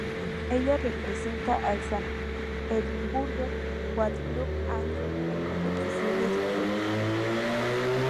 Ella representa al San Edimburgo Boat Club Andrew en competiciones de remo.